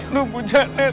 nuh bu janet